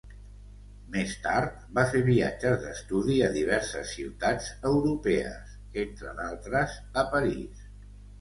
Més tard, va fer viatges d'estudi a diverses ciutats europees, entre d'altres a París.